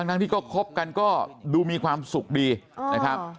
ทั้งที่ก็คบกันก็ดูมีความสุขดีนะครับ